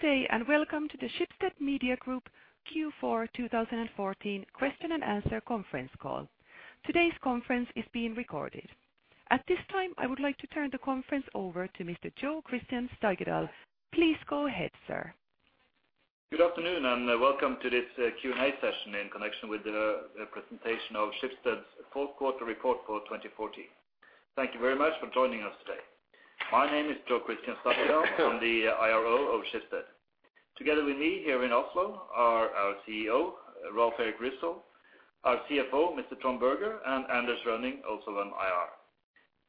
Good day and welcome to the Schibsted Media Group Q4 2014 question and answer conference call. Today's conference is being recorded. At this time, I would like to turn the conference over to Mr. Jo Christian Steigedal. Please go ahead, sir. Good afternoon and welcome to this Q&A session in connection with the presentation of Schibsted's Q4 report for 2014. Thank you very much for joining us today. My name is Jo Christian Steigedal. I'm the IRO of Schibsted. Together with me here in Oslo are our CEO, Rolv Erik Ryssdal, our CFO, Mr. Trond Berger, and Anders Rønning also an IR.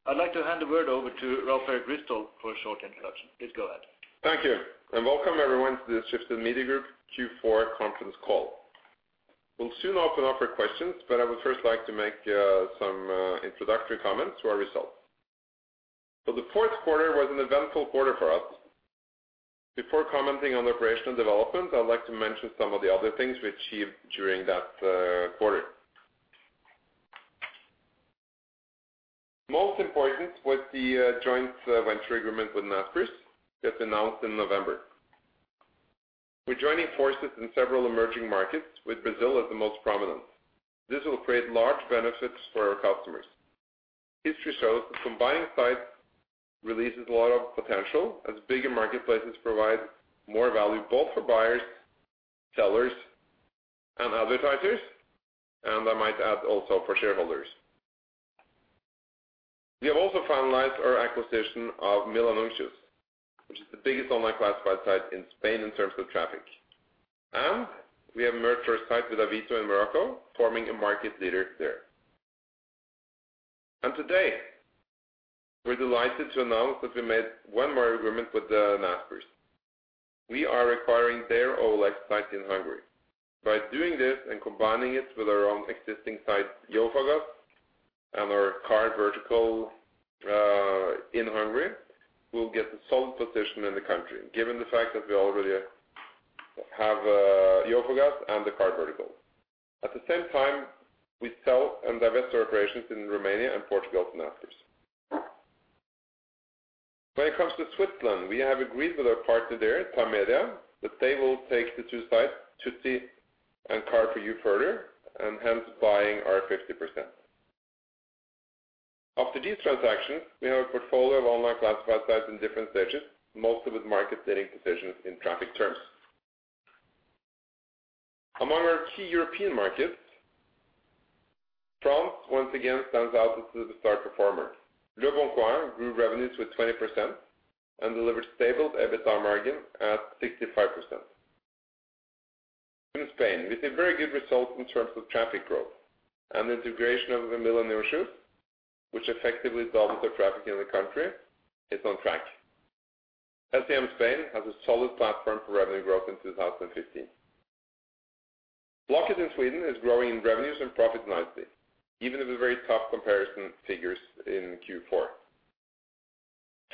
I'd like to hand the word over to Rolv Erik Ryssdal for a short introduction. Please go ahead. Thank you. Welcome everyone to the Schibsted Media Group Q4 conference call. We'll soon open up for questions. I would first like to make some introductory comments to our results. The Q4 was an eventful quarter for us. Before commenting on the operational development, I'd like to mention some of the other things we achieved during that quarter. Most important was the joint venture agreement with Naspers that announced in November. We're joining forces in several emerging markets, with Brazil as the most prominent. This will create large benefits for our customers. History shows that combining sites releases a lot of potential as bigger marketplaces provide more value both for buyers, sellers, and advertisers. I might add also for shareholders. We have also finalized our acquisition of Milanuncios, which is the biggest online classified site in Spain in terms of traffic. We have merged our site with Avito in Morocco, forming a market leader there. Today, we're delighted to announce that we made one more agreement with the Naspers. We are acquiring their OLX site in Hungary. By doing this and combining it with our own existing site, Jófogás, and our car vertical in Hungary, we'll get the sole position in the country, given the fact that we already have Jófogás and the car vertical. At the same time, we sell and divest our operations in Romania and Portugal to Naspers. When it comes to Switzerland, we have agreed with our partner there, Tamedia, that they will take the two sites, tutti.ch and CAR FOR YOU further, and hence buying our 50%. After these transactions, we have a portfolio of online classified sites in different stages, mostly with market-leading positions in traffic terms. Among our key European markets, France once again stands out as the star performer. leboncoin grew revenues with 20% and delivered stable EBITDA margin at 65%. In Spain, we see very good results in terms of traffic growth and integration of Milanuncios, which effectively doubles the traffic in the country is on track. SEM Spain has a solid platform for revenue growth in 2015. Blocket in Sweden is growing in revenues and profit nicely, even with very tough comparison figures in Q4.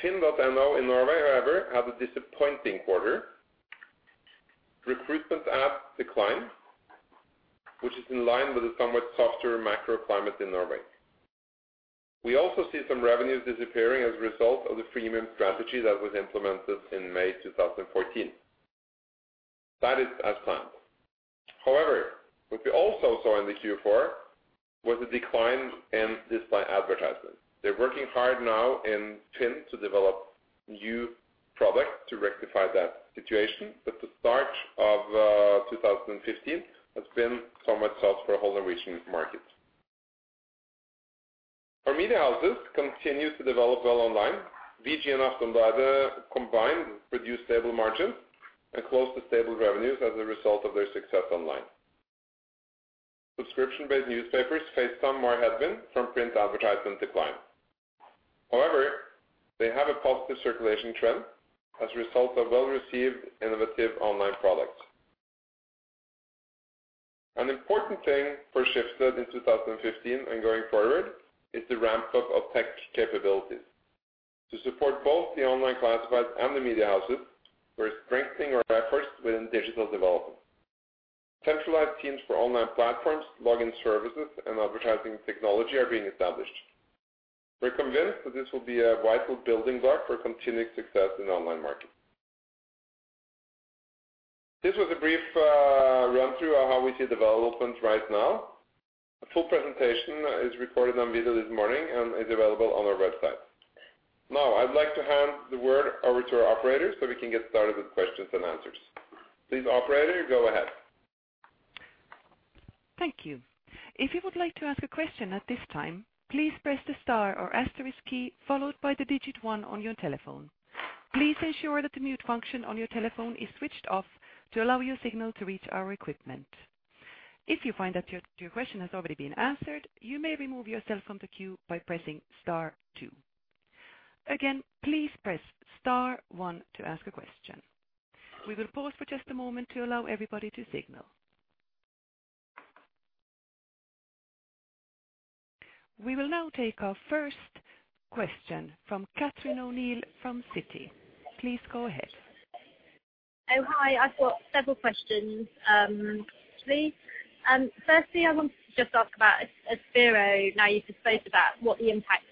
FINN.no in Norway, however, had a disappointing quarter. Recruitment ad declined, which is in line with the somewhat softer macro climate in Norway. We also see some revenues disappearing as a result of the freemium strategy that was implemented in May 2014. That is as planned. What we also saw in the Q4 was a decline in display advertisement. They're working hard now in FINN to develop new products to rectify that situation. The start of 2015 has been somewhat soft for a whole Norwegian market. Our media houses continue to develop well online. VG and Aftenbladet combined produce stable margins and close to stable revenues as a result of their success online. Subscription-based newspapers face some more headwind from print advertisement decline. They have a positive circulation trend as a result of well-received innovative online products. An important thing for Schibsted in 2015 and going forward is the ramp-up of tech capabilities. To support both the online classifieds and the media houses, we're strengthening our efforts within digital development. Centralized teams for online platforms, login services, and advertising technology are being established. We're convinced that this will be a vital building block for continued success in online market. This was a brief run through on how we see development right now. The full presentation is recorded on video this morning and is available on our website. I'd like to hand the word over to our operator, so we can get started with questions and answers. Please, operator, go ahead. Thank you. If you would like to ask a question at this time, please press the star or asterisk key followed by the digit 1 on your telephone. Please ensure that the mute function on your telephone is switched off to allow your signal to reach our equipment. If you find that your question has already been answered, you may remove yourself from the queue by pressing star two. Again, please press star one to ask a question. We will pause for just a moment to allow everybody to signal. We will now take our first question from Catherine O'Neill from Citi. Please go ahead. Hi. I've got several questions, please. Firstly, I want to just ask about Aspiro. Now you've disclosed about what the impact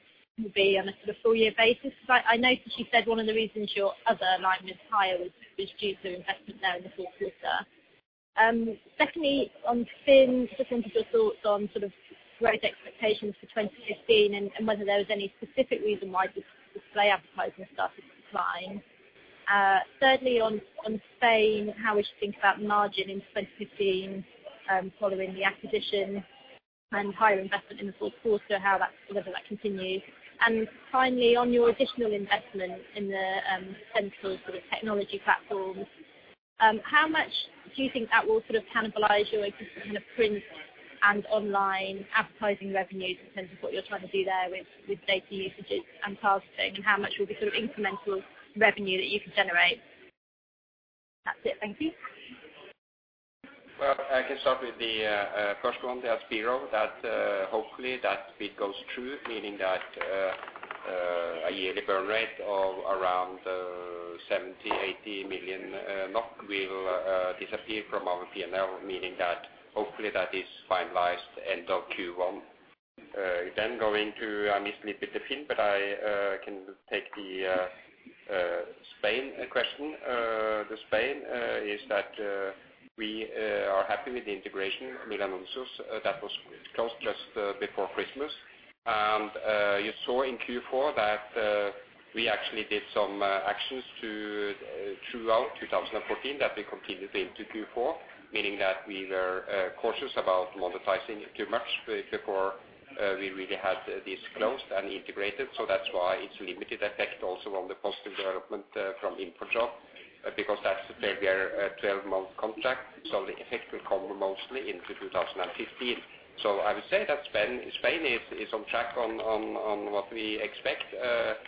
will be on a sort of full year basis. I noticed you said one of the reasons your other line was higher was due to investment there in the Q4. Secondly, on FINN, just wanted your thoughts on sort of growth expectations for 2015 and whether there was any specific reason why display advertising started to decline. Thirdly, on Spain, how we should think about margin in 2015 following the acquisition and higher investment in the Q4, whether that continues. Finally, on your additional investment in the central sort of technology platforms, how much do you think that will sort of cannibalize your existing kind of print and online advertising revenues in terms of what you're trying to do there with data usages and targeting? How much will be sort of incremental revenue that you can generate? That's it. Thank you. Well, I can start with the first one, the Aspiro, that hopefully that it goes through, meaning that a yearly burn rate of around 70 million-80 million NOK will disappear from our PNL, meaning that hopefully that is finalized end of Q1. Going to, I missed a little bit of FINN, but I can take the Spain question. The Spain is that we are happy with the integration Milanuncios. That was closed just before Christmas. You saw in Q4 that we actually did some actions throughout 2014 that we continued into Q4, meaning that we were cautious about monetizing it too much before we really had this closed and integrated. That's why it's limited effect also on the positive development from InfoJobs, because that's a regular, a 12-month contract, so the effect will come mostly into 2015. I would say that Spain is on track on what we expect.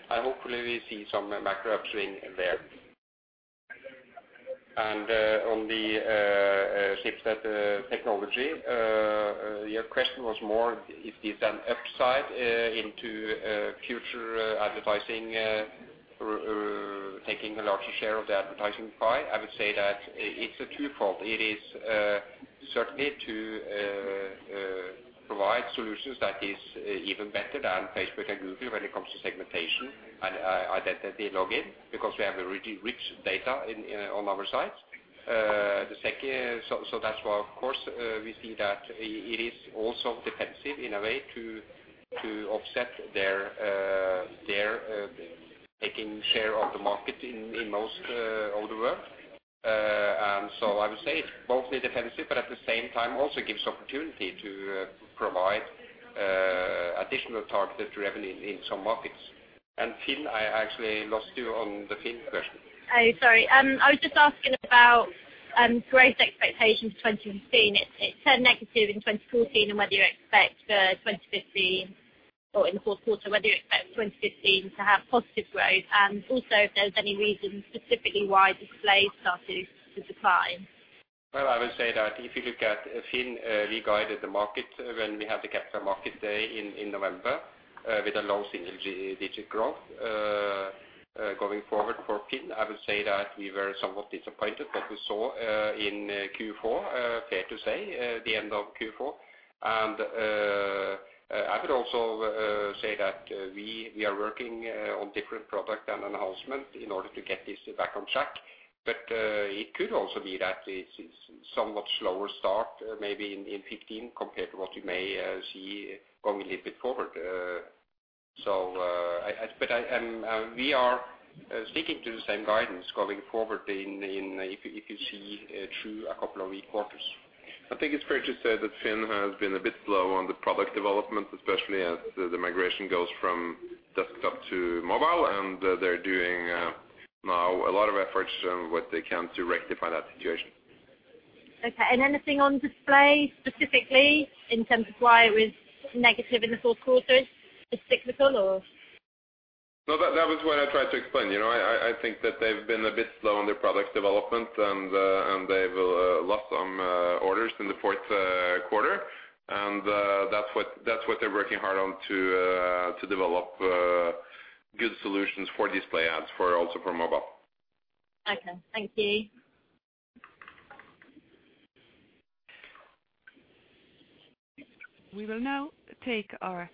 Hopefully we see some macro upswing there. On the Schibsted technology, your question was more if there's an upside into future advertising taking a larger share of the advertising pie. I would say that it's a twofold. It is certainly to provide solutions that is even better than Facebook and Google when it comes to segmentation and identity login, because we have a really rich data in on our sites. The second... That's why of course, we see that it is also defensive in a way to offset their taking share of the market in most of the world. I would say it's both defensive, but at the same time also gives opportunity to provide additional targeted revenue in some markets. FINN, I actually lost you on the FINN question. Oh, sorry. I was just asking about growth expectations for 2015. It turned negative in 2014 and whether you expect 2015 or in the Q4, whether you expect 2015 to have positive growth, and also if there's any reason specifically why display started to decline. Well, I would say that if you look at FINN, we guided the market when we had the capital market day in November, with a low single digit growth. Going forward for FINN, I would say that we were somewhat disappointed what we saw in Q4, fair to say, the end of Q4. I would also say that we are working on different product and enhancement in order to get this back on track. It could also be that it's somewhat slower start maybe in 2015 compared to what you may see going a little bit forward. We are sticking to the same guidance going forward in if you see through a couple of weak quarters. I think it's fair to say that FINN has been a bit slow on the product development, especially as the migration goes from desktop to mobile, and they're doing now a lot of efforts what they can to rectify that situation. Okay. Anything on display specifically in terms of why it was negative in the Q4? Is it cyclical or? No, that was what I tried to explain. You know, I think that they've been a bit slow on their product development and they've lost some orders in the Q4. That's what they're working hard on to develop good solutions for display ads for also for mobile. Okay. Thank you. We will now take our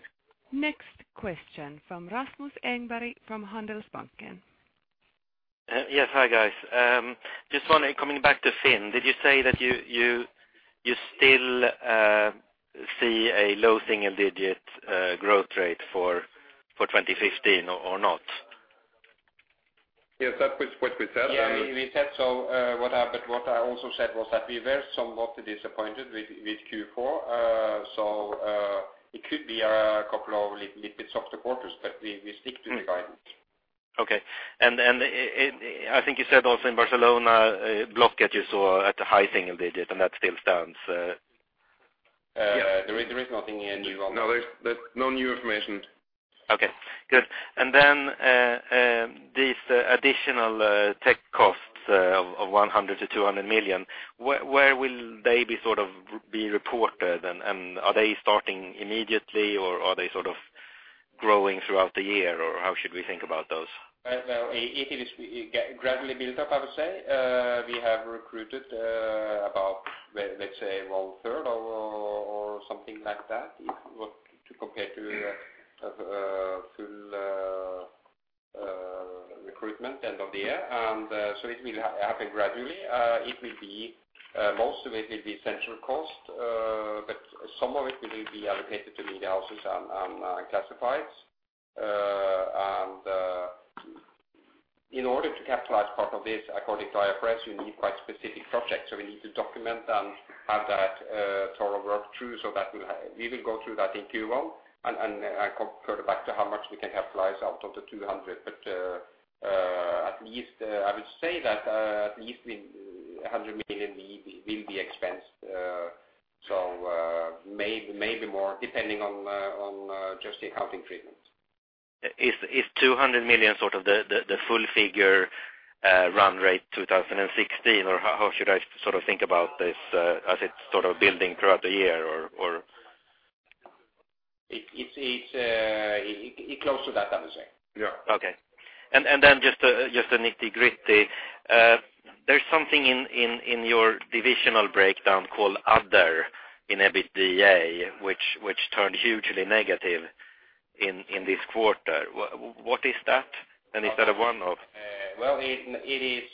next question from Rasmus Engberg from Handelsbanken. Yes. Hi, guys. Just wondering, coming back to FINN, did you say that you still see a low single-digit growth rate for 2015 or not? Yes, that was what we said. Yeah, we said so. What I also said was that we were somewhat disappointed with Q4. It could be a couple of little bit softer quarters, but we stick to the guidance. Okay. I think you said also in Barcelona, Blocket that you saw at a high single digit and that still stands. There is nothing new on that. No, there's no new information. Okay, good. These additional, tech costs, of 100 million-200 million, where will they be sort of be reported? Are they starting immediately or are they sort of growing throughout the year? How should we think about those? Well, it is gradually built up, I would say. We have recruited, let's say, well, third or something like that. To compare to full recruitment end of the year. It will happen gradually. It will be most of it will be central cost, but some of it will be allocated to media houses and classifieds. In order to capitalize part of this according to IFRS, you need quite specific projects. We need to document and have that thorough work through. We will go through that in Q1 and come further back to how much we can capitalize out of the 200. At least, I would say that, at least 100 million will be expensed. Maybe more depending on just the accounting treatment. Is 200 million sort of the full figure run rate 2016? Or how should I sort of think about this as it's sort of building throughout the year or? It's close to that, I would say. Yeah. Okay. Just a nitty-gritty. There's something in your divisional breakdown called other in EBITDA, which turned hugely negative in this quarter. What is that? Is that a one-off? Well, it is,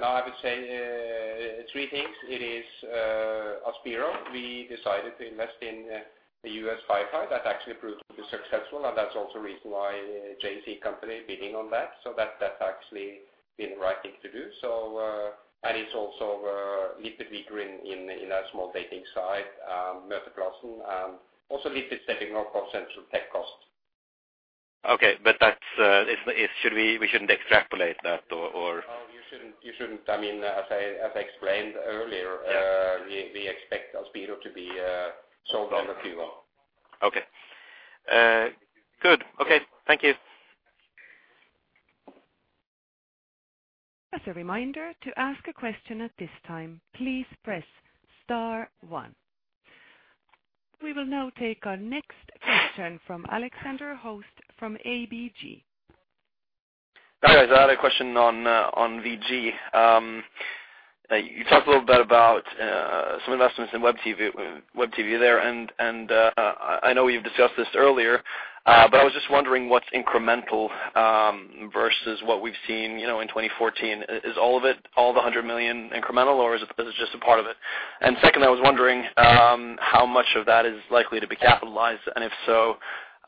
now I would say, three things. It is Aspiro. We decided to invest in the U.S. HiFi. That actually proved to be successful, and that's also the reason why a Jay Z company bidding on that. That actually been the right thing to do. It's also little bit weaker in our small dating side, Møteplassen. Also little bit stepping up our central tech costs. Okay, that's We shouldn't extrapolate that or? No, you shouldn't, you shouldn't. I mean, as I explained earlier. Yeah. we expect Aspiro to be sold in the Q1. Okay. good. Okay. Thank you. As a reminder, to ask a question at this time, please press star one. We will now take our next question from Alexander Høst from ABG. Hi, guys. I had a question on VG. You talked a little bit about some investments in web TV there. I know you've discussed this earlier, but I was just wondering what's incremental versus what we've seen, you know, in 2014. Is all the 100 million incremental or is it just a part of it? Second, I was wondering how much of that is likely to be capitalized, and if so,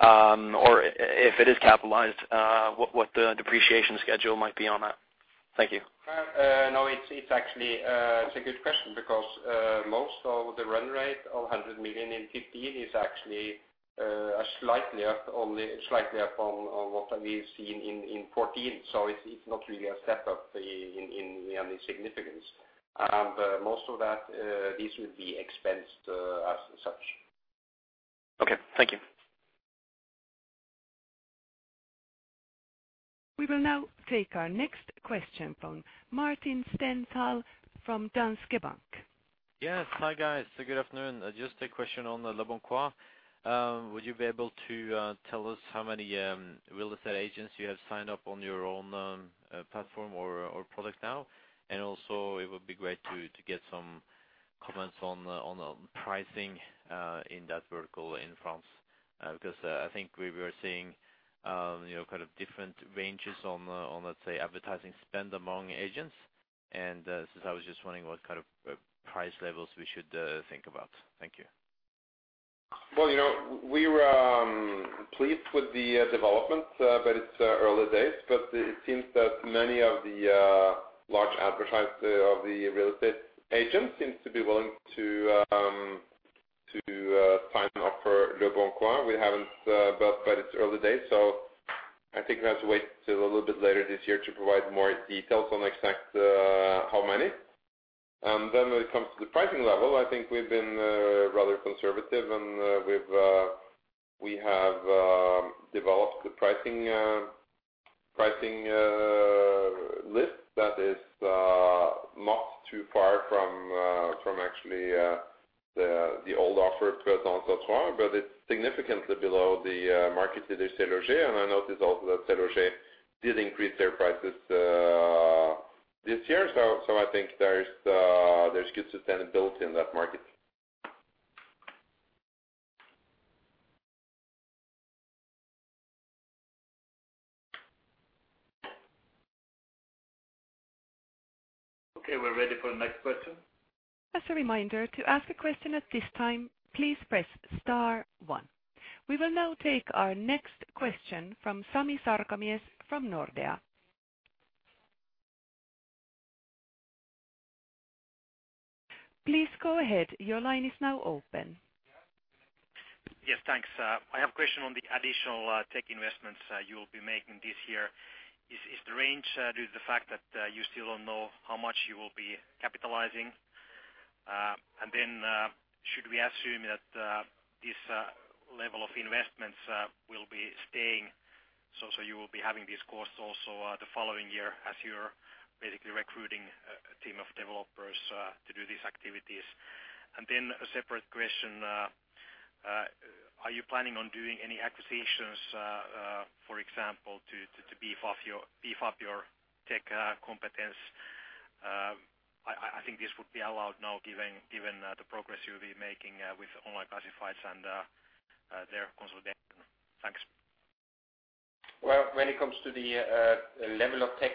or if it is capitalized, what the depreciation schedule might be on that. Thank you. No, it's actually, it's a good question because most of the run rate of 100 million in 2015 is actually, a slightly up on what we've seen in 2014. It's not really a step-up in any significance. Most of that, this will be expensed as such. Okay. Thank you. We will now take our next question from Martin Stenshall from Danske Bank. Yes. Hi, guys. Good afternoon. Just a question on the leboncoin. Would you be able to tell us how many real estate agents you have signed up on your own platform or product now? Also it would be great to get some comments on the pricing in that vertical in France. Because I think we were seeing, you know, kind of different ranges on, let's say, advertising spend among agents. Since I was just wondering what kind of price levels we should think about. Thank you. Well, you know, we were pleased with the development, but it's early days. It seems that many of the large advertisers of the real estate agents seems to be willing to sign up for leboncoin. We haven't, but it's early days, so I think we have to wait till a little bit later this year to provide more details on exact how many. When it comes to the pricing level, I think we've been rather conservative, and we have developed a pricing list that is not too far from actually the old offer of Petites-Annonces, but it's significantly below the market leader SeLoger. I noticed also that SeLoger did increase their prices this year. I think there's good sustainability in that market. Okay, we're ready for the next question. As a reminder, to ask a question at this time, please press star one. We will now take our next question from Sami Sarkamies from Nordea. Please go ahead. Your line is now open. Yes, thanks. I have a question on the additional tech investments you'll be making this year. Is the range due to the fact that you still don't know how much you will be capitalizing? Then, should we assume that this level of investments will be staying, so you will be having these costs also the following year as you're basically recruiting a team of developers to do these activities? Then a separate question, are you planning on doing any acquisitions, for example, to beef up your tech competence? I think this would be allowed now given the progress you'll be making with online classifieds and their consolidation. Thanks. Well, when it comes to the level of tech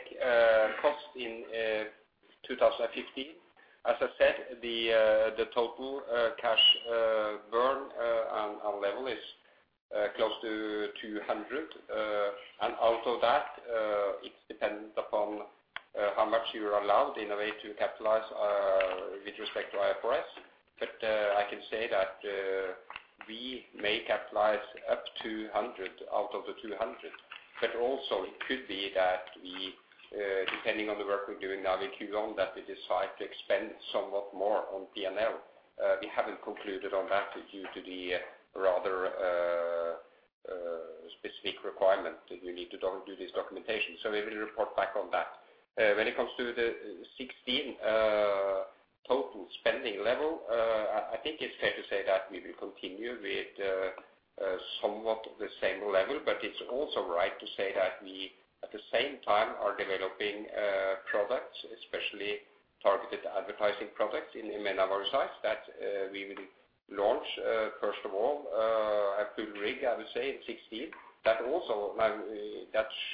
cost in 2015, as I said, the total cash burn and level is close to 200 million. Out of that, it's dependent upon how much you're allowed in a way to capitalize with respect to IFRS. I can say that we may capitalize up to 100 million out of the 200 million. Also it could be that we, depending on the work we're doing now in Q1, that we decide to expend somewhat more on P&L. We haven't concluded on that due to the rather specific requirement that we need to do this documentation. We will report back on that. When it comes to the 2016 total spending level, I think it's fair to say that we will continue with somewhat the same level. It's also right to say that we, at the same time, are developing products, especially targeted advertising products in many of our sites that we will launch, first of all, at full rig, I would say, in 2016. Now that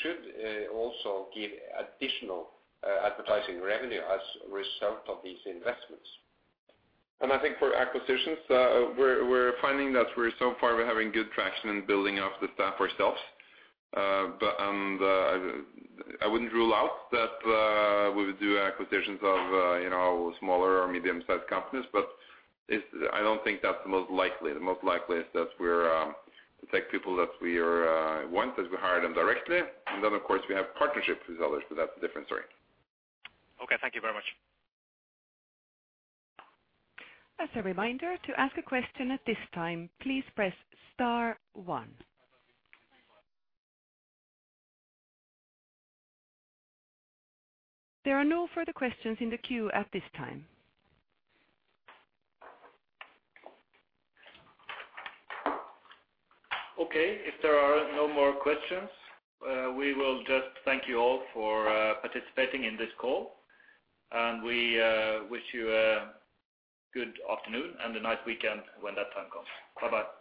should also give additional advertising revenue as a result of these investments. I think for acquisitions, we're finding that we're so far having good traction in building up the staff ourselves. I wouldn't rule out that we would do acquisitions of, you know, smaller or medium-sized companies, but I don't think that's the most likely. The most likely is that we're the tech people that we want is we hire them directly, and then of course, we have partnerships with others, but that's a different story. Okay. Thank you very much. As a reminder, to ask a question at this time, please press star one. There are no further questions in the queue at this time. Okay. If there are no more questions, we will just thank you all for participating in this call, we wish you a good afternoon and a nice weekend when that time comes. Bye-bye.